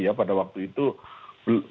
nama pada waktu itu presiden calon presiden jokowi